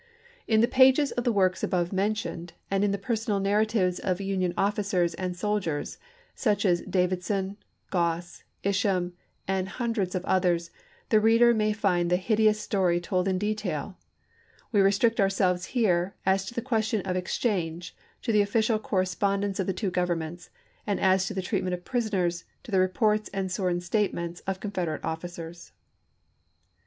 In the pages of the works above mentioned, and in the personal narratives of Union officers and sol diers, such as Davidson, Gross, Isham, and hun dreds of others, the reader may find the hideous story told in detail. We restrict ourselves here, as to the question of exchange, to the official corre spondence of the two governments, and as to the treatment of prisoners, to the reports and sworn statements of Confederate officers.